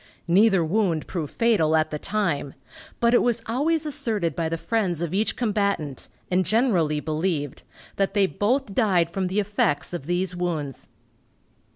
Neither wound proved fatal at the time, but it was always asserted by the friends of each combatant, and generally believed, that they both died from the effects of these wounds.